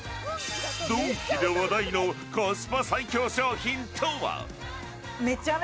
ドンキで話題のコスパ最強商品とは。